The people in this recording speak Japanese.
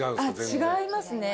違いますね。